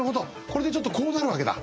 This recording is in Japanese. これでちょっとこうなるわけだ。